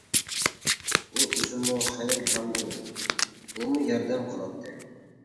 ئۇ ئۆزىمۇ خېلى گاڭگۇڭ، ئۇمۇ ياردەم قىلاتتى.